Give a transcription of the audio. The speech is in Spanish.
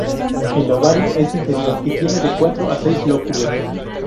El ovario es inferior y tiene de cuatro a seis lóculos.